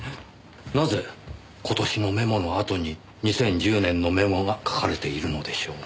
なぜ今年のメモのあとに２０１０年のメモが書かれているのでしょう。